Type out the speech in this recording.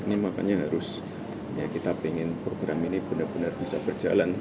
ini makanya harus ya kita ingin program ini benar benar bisa berjalan